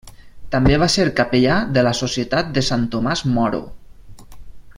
També va ser capellà de la Societat de Sant Tomàs Moro.